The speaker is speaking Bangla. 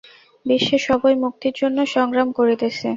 বিশ্বে সবই মুক্তির জন্য সংগ্রাম করিতেছে।